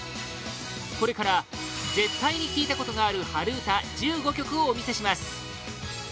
これから絶対に聴いたことがある春うた１５曲をお見せします